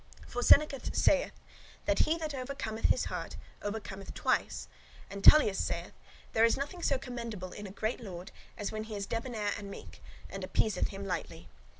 For Seneca saith, that he that overcometh his heart, overcometh twice. And Tullius saith, 'There is nothing so commendable in a great lord, as when he is debonair and meek, and appeaseth him lightly [easily].